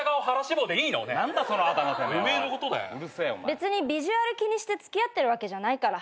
別にビジュアル気にして付き合ってるわけじゃないから。